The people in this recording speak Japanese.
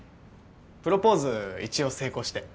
プロポーズ一応成功して。